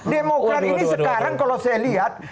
demokrat ini sekarang kalau saya lihat